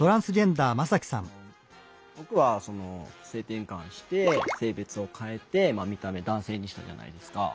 僕は性転換して性別を変えて見た目男性にしたじゃないですか。